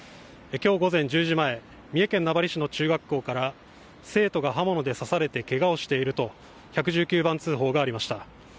今日午前１０時前、三重県名張市の中学校から生徒が刃物で刺されてけがをしていると１１９番通報がありました。